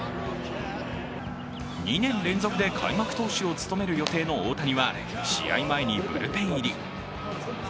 ２年連続で開幕投手を務める予定の大谷は、試合前にブルペン入り。